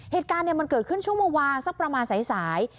เหตุการณ์มันเกิดขึ้นช่วงเมื่อวานสักประมาณสาย